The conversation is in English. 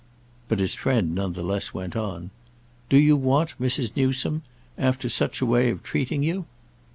But his friend none the less went on. "Do you want Mrs. Newsome—after such a way of treating you?"